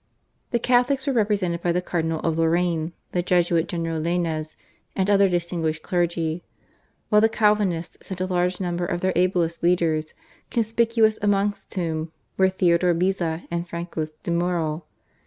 The Catholics were represented by the Cardinal of Lorraine, the Jesuit General Lainez, and other distinguished clergy, while the Calvinists sent a large number of their ablest leaders, conspicuous amongst whom were Theodore Beza and Francois de Morel.